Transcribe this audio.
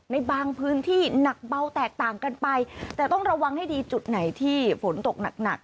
ในบางพื้นที่หนักเบาแตกต่างกันไปแต่ต้องระวังให้ดีจุดไหนที่ฝนตกหนัก